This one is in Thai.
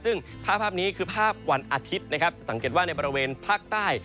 ซึ่งภาพนี้คือภาพวันอาทิตย์นะครับจะสังเกตว่าในบริเวณภาคใต้